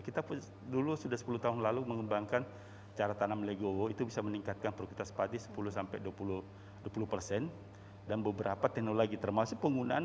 kita dulu sudah sepuluh tahun lalu mengembangkan cara tanam legowo itu bisa meningkatkan produktivitas padi sepuluh sampai dua puluh persen dan beberapa teknologi termasuk penggunaan